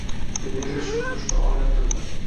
Televizor shu turishida oylab turdi.